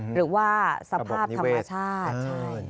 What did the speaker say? หรือว่าสภาพธรรมชาติใช่